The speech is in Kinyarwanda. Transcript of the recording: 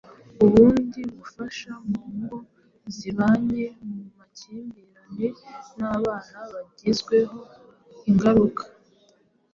ubundi bufasha mu ngo zibanye mu makimbirane n’abana bagizweho ingaruka